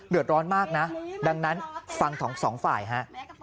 เดือดร้อนมากนะดังนั้นฟังสองฝ่ายฮะ